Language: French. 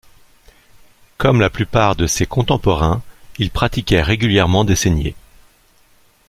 Comme la plupart de ses contemporains, il pratiquait régulièrement des saignées.